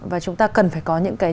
và chúng ta cần phải có những cái